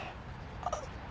あっ。